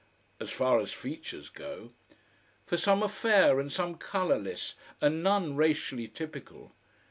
As far as features go. For some are fair and some colorless and none racially typical.